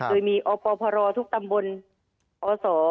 โดยมีอพรทุกตำบลอศ